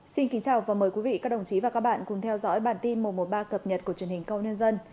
xin kính chào và mời quý vị các đồng chí và các bạn cùng theo dõi bản tin một trăm một mươi ba cập nhật của truyền hình công nhân dân